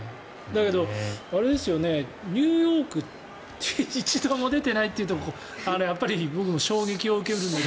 だけど、ニューヨークに一度も出ていないというところやっぱり僕も衝撃を受けました。